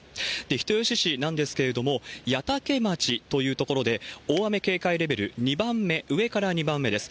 人吉市なんですけれども、矢岳町という所で、大雨警戒レベル２番目、上から２番目です。